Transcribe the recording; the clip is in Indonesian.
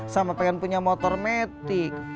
sama pengen punya motor metik